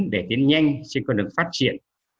để tiến nhanh trên con đường phát triển